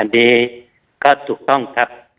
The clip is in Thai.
อันนี้ก็ถูกต้องครับ